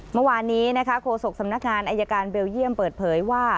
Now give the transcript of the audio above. เมื่อวานนี้นะคะโฆษกสำนักงานอายการเบลเยี่ยมเปิดเผยว่า